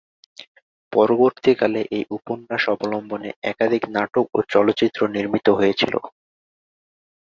পরবর্তীকালে এই উপন্যাস অবলম্বনে একাধিক নাটক ও চলচ্চিত্র নির্মিত হয়েছিল।